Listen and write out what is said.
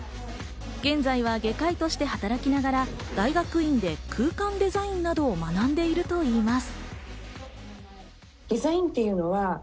現在は外科医として働きながら、大学院で空間デザインなどを学んでいるといいます。